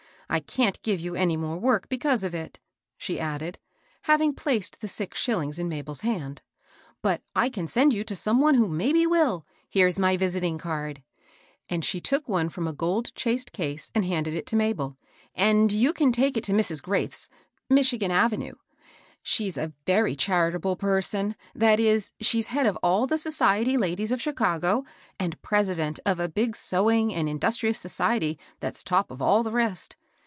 I can't give you any more work because of it," she added, having placed the six shiUings in Mabel's hand; " but I can send you to some one who maybe will. Here's my visiting card ;" and she took one from a gold chased case, and handed it to Mabel, ^^ and you can take it to Mrs. Graitfi's, number , Michigan Avenue. She's a very charitable per^ son, — that is, she's head of all the society ladies of Chicago, and president of a big sewing and in dustrious society that's top of all the rest.